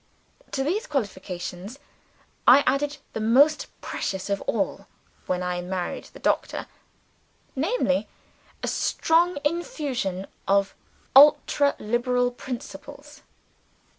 To these qualifications I added another, the most precious of all, when I married the Doctor; namely a strong infusion of ultra liberal principles.